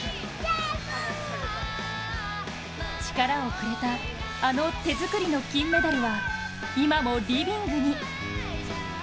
力をくれたあの手作りの金メダルは、今もリビングに。